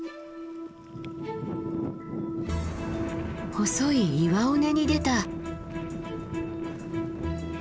細い岩尾根に出た。